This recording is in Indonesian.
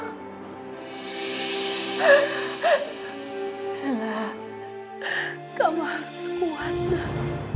bella kamu harus kuatlah